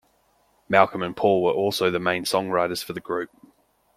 Malcolm and Paul were also the main songwriters for the group.